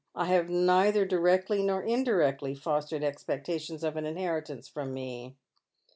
I have neither directly nor indirectly fostered expectations of an inheritance from me.